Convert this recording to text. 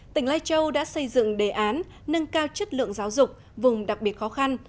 tỉnh lai châu đã xây dựng đề án nâng cao chất lượng giáo dục vùng đặc biệt khó khăn